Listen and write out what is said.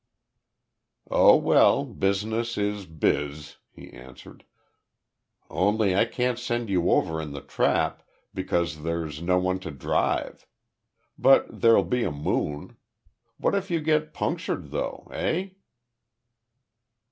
"Oh well, Business is biz," he answered, "only I can't send you over in the trap because there's no one to drive. But there'll be a moon. What if you get punctured, though? Eh?"